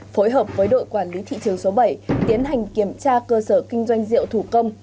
phối hợp với đội quản lý thị trường số bảy tiến hành kiểm tra cơ sở kinh doanh rượu thủ công